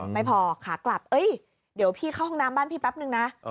ไม่พอขากลับเดี๋ยวพี่เข้าห้องน้ำบ้านพี่แป๊บนึงนะ